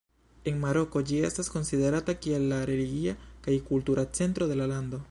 En Maroko ĝi estas konsiderata kiel la religia kaj kultura centro de la lando.